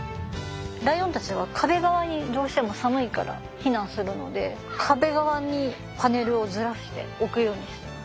ライオンたちは壁側にどうしても寒いから避難するので壁側にパネルをずらして置くようにしてます。